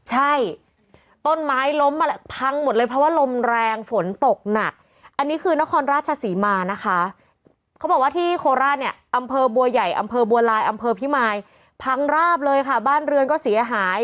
ใช่ต้นไม้ล้มมาพังหมดเลยเพราะว่าลมแรงฝนตกหนักอันนี้คือนครราชศรีมานะคะเขาบอกว่าที่โคราชเนี่ยอำเภอบัวใหญ่อำเภอบัวลายอำเภอพิมายพังราบเลยค่ะบ้านเรือนก็เสียหาย